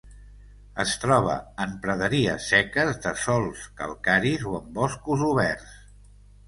Es troba en praderies seques de sòls calcaris o en boscos oberts.